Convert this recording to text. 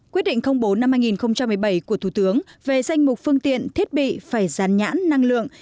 quyết định bốn năm hai nghìn một mươi bảy của thủ tướng về danh mục phương tiện thiết bị phải rán nhãn năng lượng